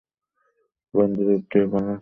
Gandhi road দিয়ে পালাচ্ছে অর্জুন।